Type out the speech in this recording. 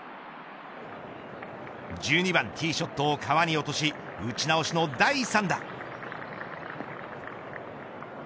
１２番ティーショットを川に落とし打ち直しの第３打。